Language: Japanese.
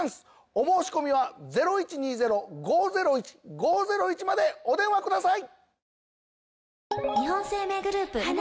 お申込みはお電話ください